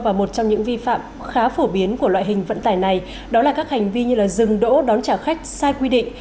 và một trong những vi phạm khá phổ biến của loại hình vận tải này đó là các hành vi như dừng đỗ đón trả khách sai quy định